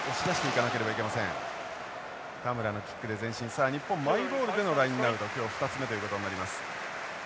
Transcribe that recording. さあ日本マイボールでのラインアウトは今日２つ目ということになります。